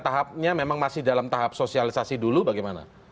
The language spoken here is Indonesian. tahapnya memang masih dalam tahap sosialisasi dulu bagaimana